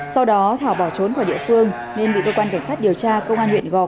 sau đó thảo bỏ trốn khỏi địa phương nên bị cơ quan cảnh sát điều tra công an huyện gò